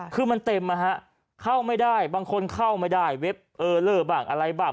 คือมันเต็มเข้าไม่ได้บางคนเข้าไม่ได้เว็บอะไรบ้าง